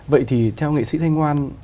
vậy thì theo nghệ sĩ thanh ngoan